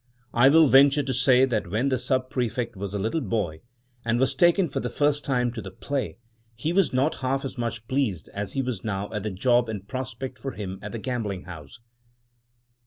I will venture to say that when the Sub prefect was a little boy, and was taken for the first time to the play, he was not half as much pleased as he was now at the job in prospect for him at the gambling house!